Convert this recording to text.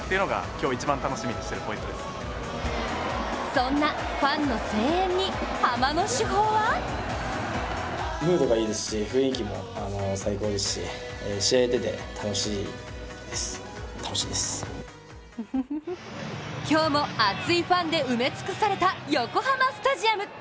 そんなファンの声援にハマの主砲は今日も熱いファンで埋め尽くされた横浜スタジアム。